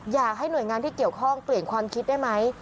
อยากให้หน่วยงานที่เกี่ยวข้องเปลี่ยนความคิดได้ไหม